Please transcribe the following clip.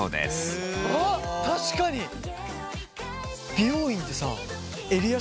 美容院ってさ襟足